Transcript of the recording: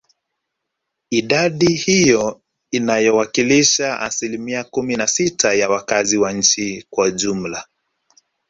Idadi hiyo inayowakilisha asilimia kumi na sita ya wakazi wa nchi kwa ujumla